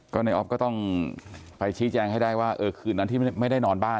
ก็ในออฟก็ต้องไปชี้แจงให้ได้ว่าเออคืนนั้นที่ไม่ได้นอนบ้าน